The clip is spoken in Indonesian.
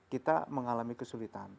kita mengalami kesulitan